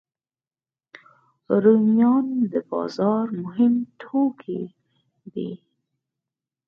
رومیان د بازار مهم توکي دي